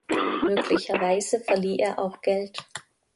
Möglicherweise verlieh er auch Geld.